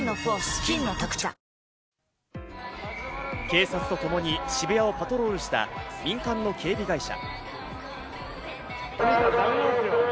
警察とともに渋谷をパトロールした民間の警備会社。